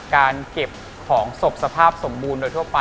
การเก็บของศพสภาพสมบูรณ์โดยทั่วไป